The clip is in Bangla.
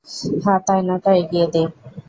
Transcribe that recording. হাত-আয়নাটা এগিয়ে দে।